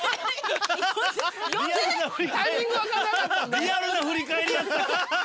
リアルな振り返りやった。